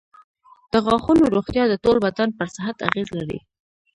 د غاښونو روغتیا د ټول بدن پر صحت اغېز لري.